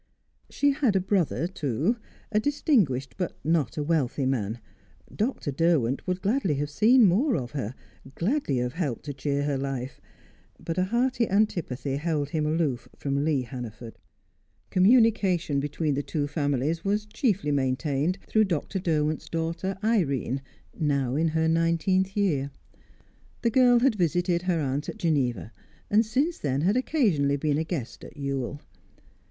She had a brother, too; a distinguished, but not a wealthy man. Dr. Derwent would gladly have seen more of her, gladly have helped to cheer her life, but a hearty antipathy held him aloof from Lee Hannaford. Communication between the two families was chiefly maintained through Dr. Derwent's daughter Irene, now in her nineteenth year. The girl had visited her aunt at Geneva, and since then had occasionally been a guest at Ewell.